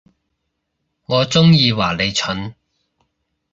我中意話你蠢